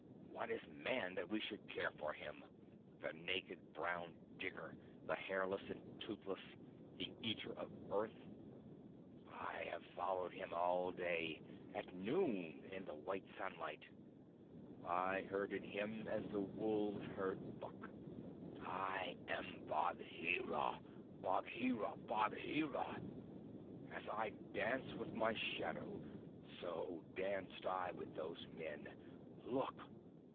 What is Man that we should care for him the naked brown digger, the hairless and toothless, the eater of earth? I have followed him all day at noon in the white sunlight. I herded him as the wolves herd buck. I am Bagheera! Bagheera! Bagheera! As I dance with my shadow, so danced I with those men. Look!"